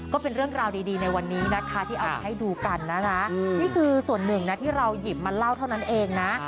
ก็เป็นเรื่องราวดีในวันนี้นะคะที่เอามาให้ดูกันนะคะนี่คือส่วนหนึ่งนะที่เราหยิบมาเล่าเท่านั้นเองนะ